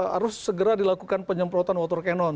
harus segera dilakukan penyemprotan water cannon